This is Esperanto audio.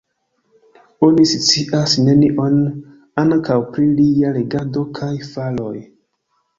Oni scias nenion ankaŭ pri lia regado kaj faroj.